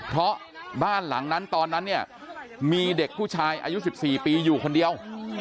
เพราะบ้านหลังนั้นตอนนั้นเนี่ยมีเด็กผู้ชายอายุ๑๔ปีอยู่คนเดียว